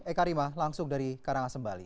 eka rima langsung dari karangasem bali